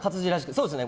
そうですね。